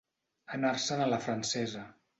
Anar-se'n a la francesa.